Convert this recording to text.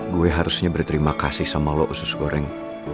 gue harusnya berterima kasih sama lo usus goreng